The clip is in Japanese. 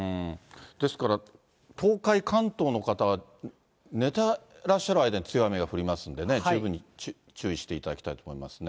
ですから東海、関東の方、寝てらっしゃる間に強い雨が降りますんで、十分に注意していただきたいと思いますね。